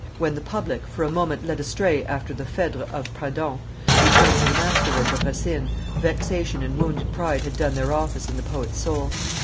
When the public, for a moment led astray after the Phedre of Pradon, returned to the master work of Racine, vexation and wounded pride had done their office in the poet's soul.